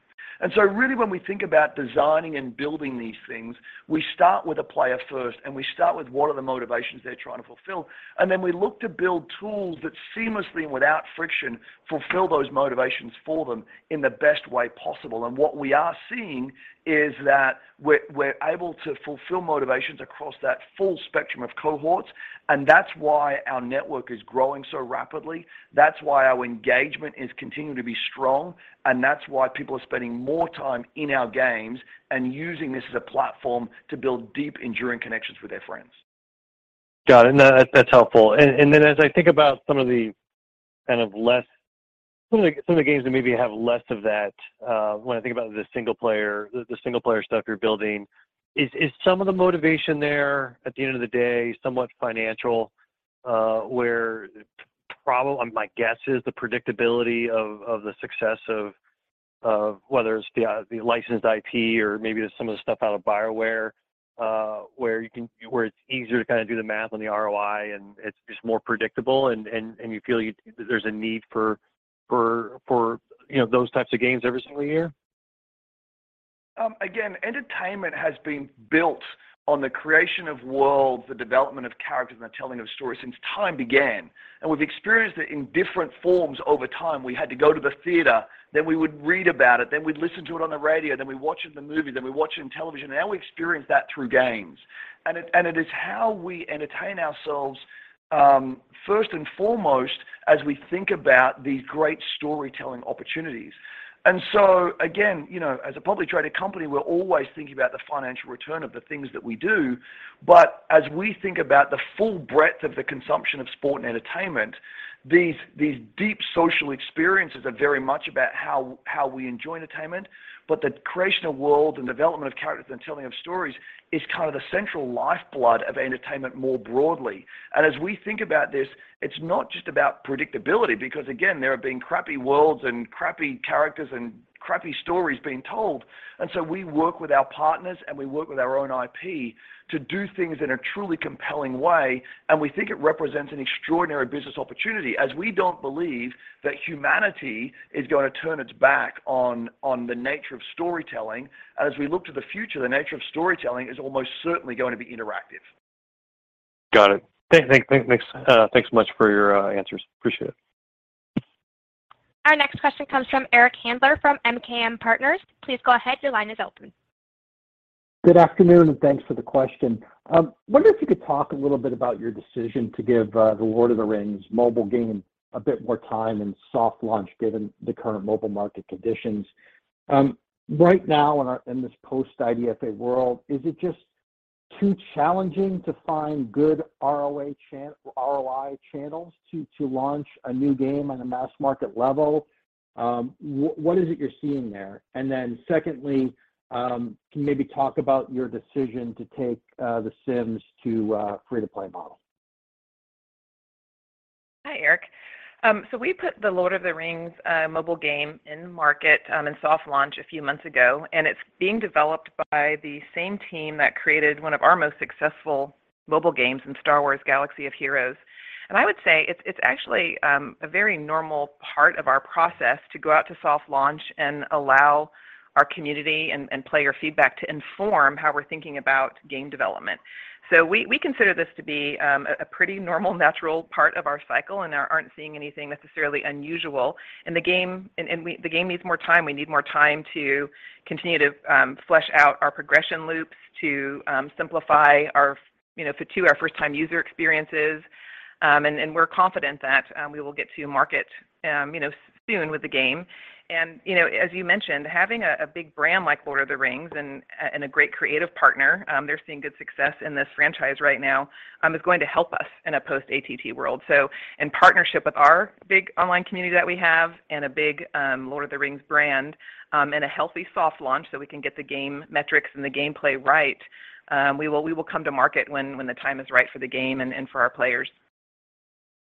C: Really when we think about designing and building these things, we start with the player first, and we start with what are the motivations they're trying to fulfill. Then we look to build tools that seamlessly and without friction, fulfill those motivations for them in the best way possible. What we are seeing is that we're able to fulfill motivations across that full spectrum of cohorts, and that's why our network is growing so rapidly. That's why our engagement is continuing to be strong, and that's why people are spending more time in our games and using this as a platform to build deep, enduring connections with their friends.
K: Got it. No, that's helpful. Then as I think about some of the games that maybe have less of that, when I think about the single player stuff you're building, is some of the motivation there at the end of the day somewhat financial, where probably my guess is the predictability of the success of whether it's the licensed IP or maybe there's some of the stuff out of BioWare, where it's easier to kind of do the math on the ROI and it's just more predictable and you feel there's a need for you know those types of games every single year?
C: Again, entertainment has been built on the creation of worlds, the development of characters, and the telling of stories since time began. We've experienced it in different forms over time. We had to go to the theater, then we would read about it, then we'd listen to it on the radio, then we watch it in the movie, then we watch it in television. Now we experience that through games. It is how we entertain ourselves, first and foremost, as we think about these great storytelling opportunities. Again, you know, as a publicly traded company, we're always thinking about the financial return of the things that we do. As we think about the full breadth of the consumption of sport and entertainment, these deep social experiences are very much about how we enjoy entertainment. The creation of worlds and development of characters and telling of stories is kind of the central lifeblood of entertainment more broadly. As we think about this, it's not just about predictability because again, there have been crappy worlds and crappy characters and crappy stories being told. We work with our partners, and we work with our own IP to do things in a truly compelling way. We think it represents an extraordinary business opportunity as we don't believe that humanity is going to turn its back on the nature of storytelling. As we look to the future, the nature of storytelling is almost certainly going to be interactive.
K: Got it. Thanks so much for your answers. Appreciate it.
A: Our next question comes from Eric Handler from Roth MKM. Please go ahead. Your line is open.
L: Good afternoon, and thanks for the question. Wondering if you could talk a little bit about your decision to give the Lord of the Rings mobile game a bit more time in soft launch given the current mobile market conditions. Right now in this post-IDFA world, is it just too challenging to find good ROI channels to launch a new game on a mass-market level? What is it you're seeing there? Secondly, can you maybe talk about your decision to take The Sims to a free-to-play model?
G: Hi, Eric. We put The Lord of the Rings mobile game in the market in soft launch a few months ago, and it's being developed by the same team that created one of our most successful mobile games in Star Wars: Galaxy of Heroes. I would say it's actually a very normal part of our process to go out to soft launch and allow our community and player feedback to inform how we're thinking about game development. We consider this to be a pretty normal, natural part of our cycle and aren't seeing anything necessarily unusual. The game needs more time. We need more time to continue to flesh out our progression loops to simplify our, you know, FTUE, our first-time user experiences. We're confident that we will get to market, you know, soon with the game. You know, as you mentioned, having a big brand like Lord of the Rings and a great creative partner, they're seeing good success in this franchise right now, is going to help us in a post-ATT world. In partnership with our big online community that we have and a big Lord of the Rings brand, and a healthy soft launch, so we can get the game metrics and the gameplay right, we will come to market when the time is right for the game and for our players.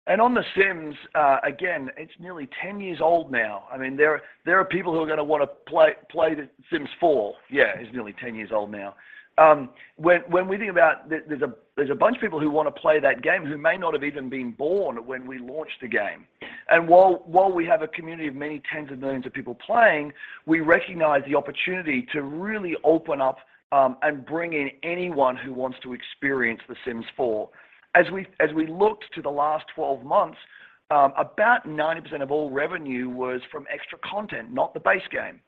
C: On The Sims, again, it's nearly 10 years old now. I mean, there are people who are gonna wanna play The Sims 4. Yeah, it's nearly 10 years old now. When we think about there's a bunch of people who wanna play that game who may not have even been born when we launched the game. While we have a community of many tens of millions of people playing, we recognize the opportunity to really open up and bring in anyone who wants to experience The Sims 4. As we looked to the last 12 months, about 90% of all revenue was from extra content, not the base game.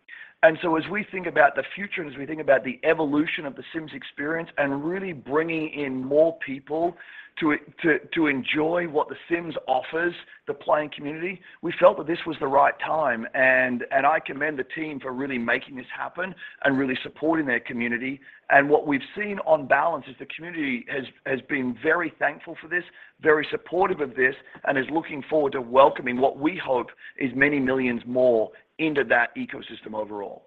C: As we think about the future and as we think about the evolution of The Sims experience and really bringing in more people to enjoy what The Sims offers the playing community, we felt that this was the right time. I commend the team for really making this happen and really supporting their community. What we've seen on balance is the community has been very thankful for this, very supportive of this, and is looking forward to welcoming what we hope is many millions more into that ecosystem overall.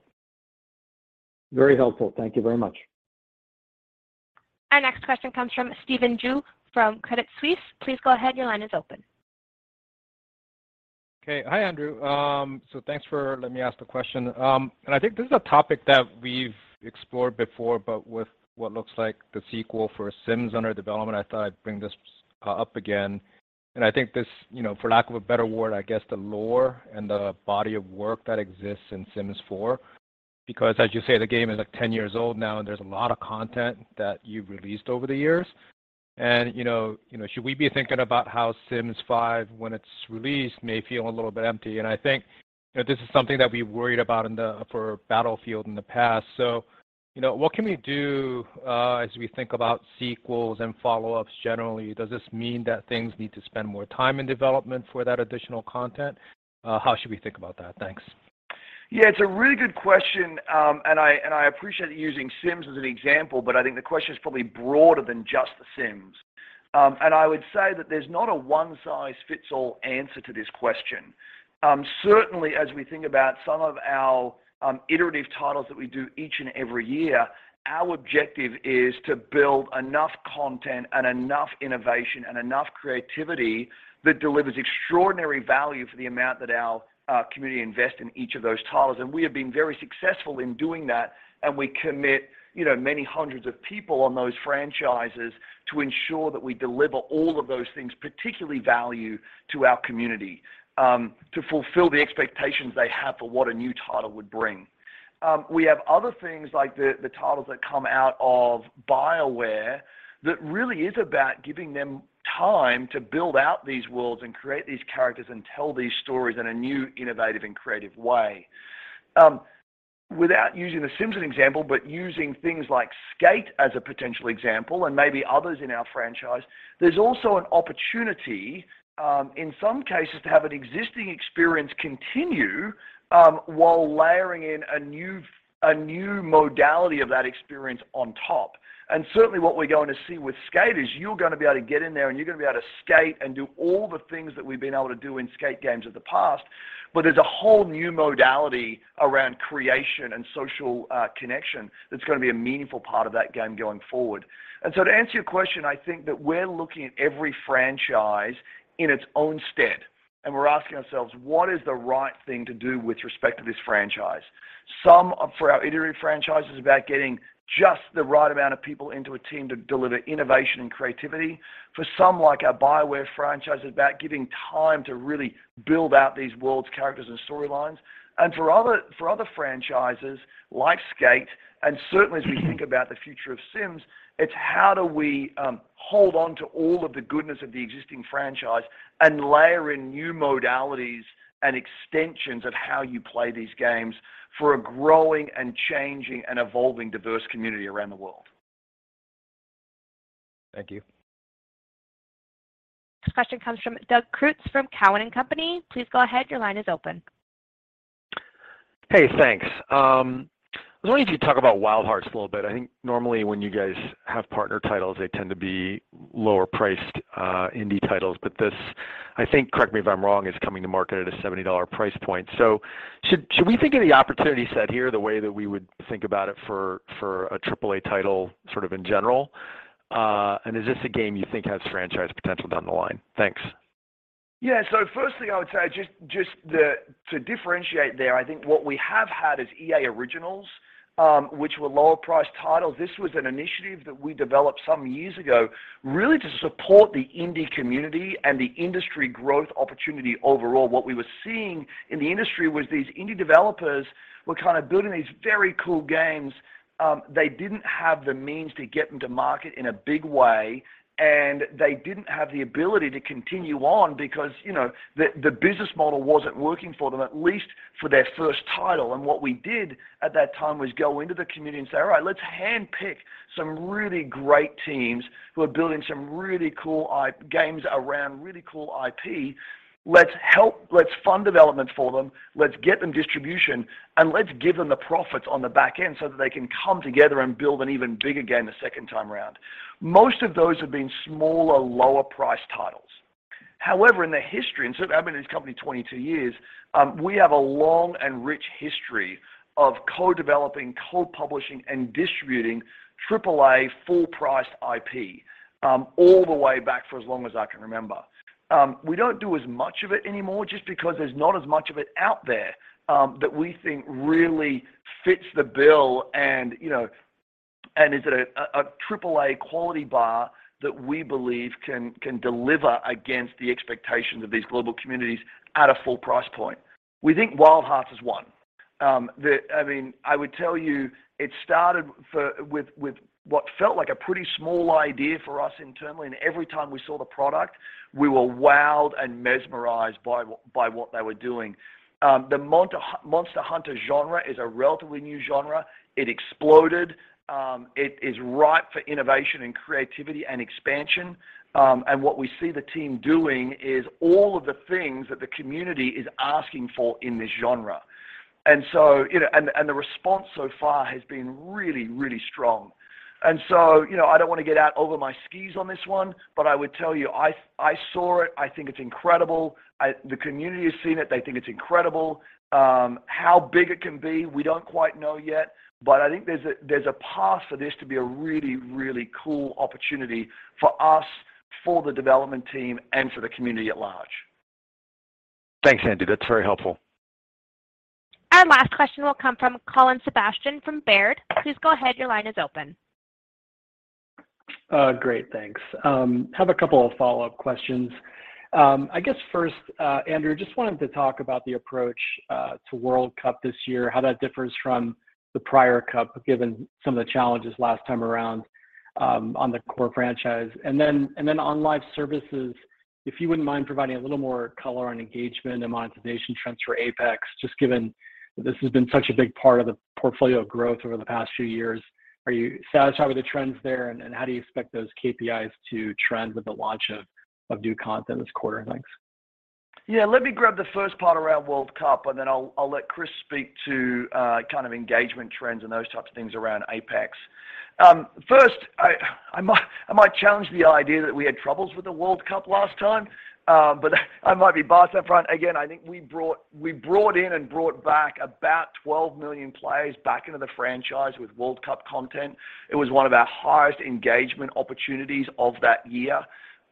L: Very helpful. Thank you very much.
A: Our next question comes from Stephen Ju from Credit Suisse. Please go ahead. Your line is open.
M: Okay. Hi, Andrew. Thanks for letting me ask the question. I think this is a topic that we've explored before, but with what looks like the sequel for Sims under development, I thought I'd bring this up again. I think this, you know, for lack of a better word, I guess the lore and the body of work that exists in Sims 4, because as you say, the game is, like, 10 years old now, and there's a lot of content that you've released over the years. You know, you know, should we be thinking about how Project Rene when it's released may feel a little bit empty? I think that this is something that we worried about for Battlefield in the past. You know, what can we do as we think about sequels and follow-ups generally? Does this mean that things need to spend more time in development for that additional content? How should we think about that? Thanks.
C: Yeah, it's a really good question. I appreciate using Sims as an example, but I think the question is probably broader than just The Sims. I would say that there's not a one-size-fits-all answer to this question. Certainly, as we think about some of our iterative titles that we do each and every year, our objective is to build enough content and enough innovation and enough creativity that delivers extraordinary value for the amount that our community invest in each of those titles. We have been very successful in doing that, and we commit, you know, many hundreds of people on those franchises to ensure that we deliver all of those things, particularly value to our community, to fulfill the expectations they have for what a new title would bring. We have other things like the titles that come out of BioWare that really is about giving them time to build out these worlds and create these characters and tell these stories in a new, innovative, and creative way. Without using The Sims as an example, but using things like Skate as a potential example, and maybe others in our franchise, there's also an opportunity, in some cases to have an existing experience continue, while layering in a new modality of that experience on top. Certainly what we're going to see with Skate is you're gonna be able to get in there, and you're gonna be able to skate and do all the things that we've been able to do in Skate games of the past, but there's a whole new modality around creation and social connection that's gonna be a meaningful part of that game going forward. To answer your question, I think that we're looking at every franchise in its own stead, and we're asking ourselves, "What is the right thing to do with respect to this franchise?" Some are for our iterative franchises about getting just the right amount of people into a team to deliver innovation and creativity. For some, like our BioWare franchise, it's about giving time to really build out these worlds, characters, and storylines. For other franchises, like Skate, and certainly as we think about the future of Sims, it's how do we hold on to all of the goodness of the existing franchise and layer in new modalities and extensions of how you play these games for a growing and changing and evolving diverse community around the world?
N: Thank you.
A: Next question comes from Doug Creutz from TD Cowen. Please go ahead, your line is open.
N: Hey, thanks. I was wondering if you could talk about Wild Hearts a little bit. I think normally when you guys have partner titles, they tend to be lower priced indie titles. This, I think, correct me if I'm wrong, is coming to market at a $70 price point. Should we think of the opportunity set here the way that we would think about it for a triple-A title sort of in general? And is this a game you think has franchise potential down the line? Thanks.
C: Yeah. First thing I would say, just the, to differentiate there, I think what we have had is EA Originals, which were lower priced titles. This was an initiative that we developed some years ago really to support the indie community and the industry growth opportunity overall. What we were seeing in the industry was these indie developers were kind of building these very cool games. They didn't have the means to get them to market in a big way, and they didn't have the ability to continue on because, you know, the business model wasn't working for them, at least for their first title. What we did at that time was go into the community and say, "All right, let's handpick some really great teams who are building some really cool IP, games around really cool IP. Let's help, let's fund development for them, let's get them distribution, and let's give them the profits on the back end so that they can come together and build an even bigger game the second time around." Most of those have been smaller, lower priced titles. However, in the history, I've been in this company 22 years, we have a long and rich history of co-developing, co-publishing, and distributing AAA full priced IP, all the way back for as long as I can remember. We don't do as much of it anymore just because there's not as much of it out there, that we think really fits the bill and, you know, is at a AAA quality bar that we believe can deliver against the expectations of these global communities at a full price point. We think Wild Hearts is one. I mean, I would tell you it started with what felt like a pretty small idea for us internally, and every time we saw the product, we were wowed and mesmerized by what they were doing. The Monster Hunter genre is a relatively new genre. It exploded. It is ripe for innovation and creativity and expansion. What we see the team doing is all of the things that the community is asking for in this genre. You know, the response so far has been really strong. You know, I don't wanna get out over my skis on this one, but I would tell you, I saw it. I think it's incredible. The community has seen it. They think it's incredible. How big it can be, we don't quite know yet, but I think there's a path for this to be a really, really cool opportunity for us, for the development team, and for the community at large.
N: Thanks, Andrew. That's very helpful.
A: Our last question will come from Colin Sebastian from Baird. Please go ahead, your line is open.
O: Great. Thanks. Have a couple of follow-up questions. I guess first, Andrew, just wanted to talk about the approach to World Cup this year, how that differs from the prior cup, given some of the challenges last time around on the core franchise. On live services, if you wouldn't mind providing a little more color on engagement and monetization trends for Apex, just given this has been such a big part of the portfolio growth over the past few years. Are you satisfied with the trends there, and how do you expect those KPIs to trend with the launch of new content this quarter? Thanks.
C: Yeah. Let me grab the first part around World Cup, and then I'll let Chris speak to kind of engagement trends and those types of things around Apex. First, I might challenge the idea that we had troubles with the World Cup last time. I might be biased up front. Again, I think we brought in and brought back about 12 million players back into the franchise with World Cup content. It was one of our highest engagement opportunities of that year.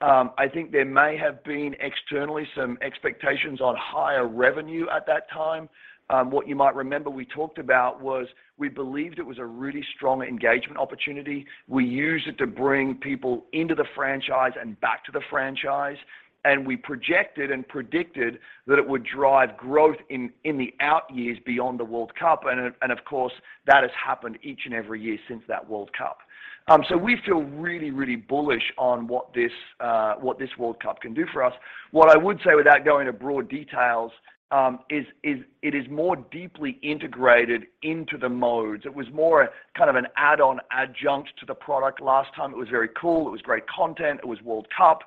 C: I think there may have been externally some expectations on higher revenue at that time. What you might remember we talked about was we believed it was a really strong engagement opportunity. We used it to bring people into the franchise and back to the franchise, and we projected and predicted that it would drive growth in the out years beyond the World Cup. Of course, that has happened each and every year since that World Cup. We feel really bullish on what this World Cup can do for us. What I would say without going into too broad details is that it is more deeply integrated into the modes. It was more kind of an add-on adjunct to the product last time. It was very cool. It was great content. It was World Cup.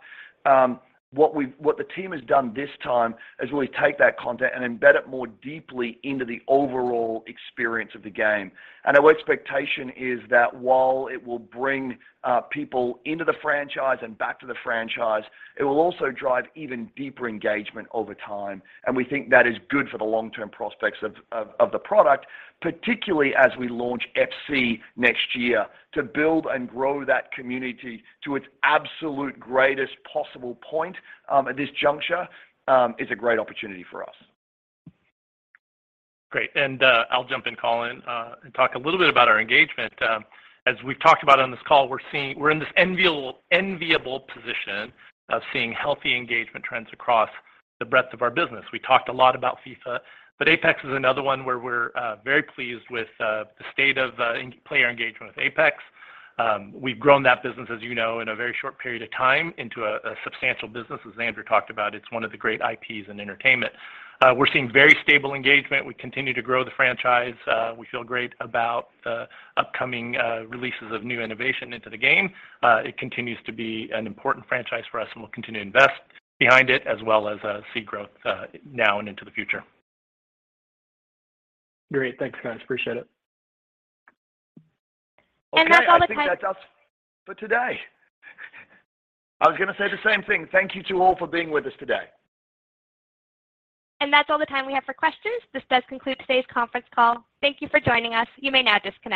C: What the team has done this time is really take that content and embed it more deeply into the overall experience of the game. Our expectation is that while it will bring people into the franchise and back to the franchise, it will also drive even deeper engagement over time. We think that is good for the long-term prospects of the product, particularly as we launch FC next year to build and grow that community to its absolute greatest possible point, at this juncture, is a great opportunity for us.
D: Great. I'll jump in, Colin, and talk a little bit about our engagement. As we've talked about on this call, we're in this enviable position of seeing healthy engagement trends across the breadth of our business. We talked a lot about FIFA, but Apex is another one where we're very pleased with the state of player engagement with Apex. We've grown that business, as you know, in a very short period of time into a substantial business. As Andrew talked about, it's one of the great IPs in entertainment. We're seeing very stable engagement. We continue to grow the franchise. We feel great about upcoming releases of new innovation into the game. It continues to be an important franchise for us, and we'll continue to invest behind it as well as see growth now and into the future.
O: Great. Thanks, guys. Appreciate it.
A: That's all the time.
C: Okay. I think that's all for today. I was gonna say the same thing. Thank you to all for being with us today.
A: That's all the time we have for questions. This does conclude today's conference call. Thank you for joining us. You may now disconnect.